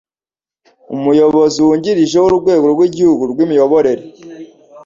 Umuyobozi Wungirije w'Urwego rw'Igihugu rw'Imiyoborere